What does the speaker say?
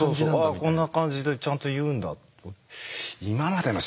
こんな感じでちゃんと言うんだと。